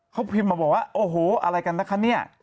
เขาพิมพ์มาบอกว่าโอ้โหอะไรกันนะคะเนี่ย